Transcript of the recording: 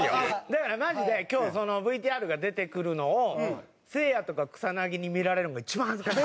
だからマジで今日そのＶＴＲが出てくるのをせいやとか草薙に見られるのが一番恥ずかしい。